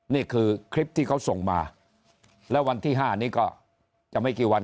นี่คือคลิปที่เขาส่งมาแล้ววันที่๕นี้ก็จะไม่กี่วัน